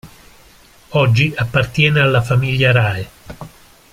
Oggi appartiene alla famiglia Rae.